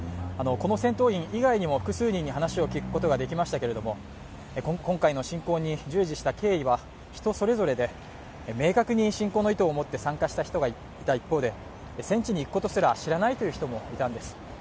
この戦闘員以外にも複数人に話を聞くことができましたけども、今回の侵攻に従事した経緯は人それぞれで明確に侵攻の意図を持って参加した人がいた一方で戦地に行くことすら知らないという人もいたんです。